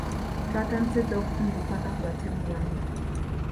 Twatandise dda okufuna ebikwata ku batemu bano.